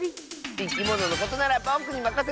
いきもののことならぼくにまかせて！